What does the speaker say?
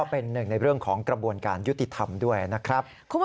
เป็นหนึ่งในเรื่องของกระบวนการยุติธรรมด้วยนะครับ